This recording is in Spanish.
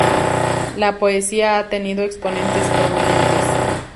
La poesía ha tenido exponentes prominentes.